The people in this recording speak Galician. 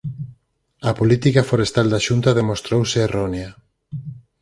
'A política forestal da Xunta demostrouse errónea'